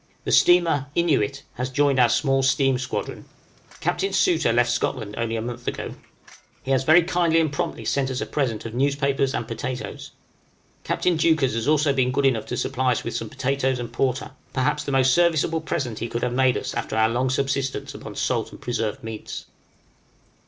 The steamer 'Innuit' has joined our small steam squadron. Captain Sutter left Scotland only a month ago: he has very kindly and promptly sent us a present of newspapers and potatoes. Captain Deuchars has also been good enough to supply us with some potatoes and porter, perhaps the most serviceable present he could have made us after our long subsistence upon salt and preserved meats.